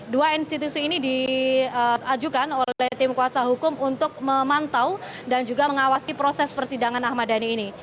dua institusi ini diajukan oleh tim kuasa hukum untuk memantau dan juga mengawasi proses persidangan ahmad dhani ini